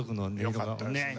よかったですね。